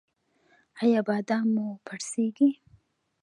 ایا بادام مو پړسیږي؟